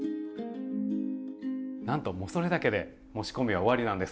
なんともうそれだけで仕込みは終わりなんです。